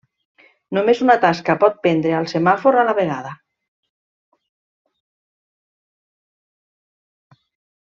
Només una tasca pot prendre al semàfor a la vegada.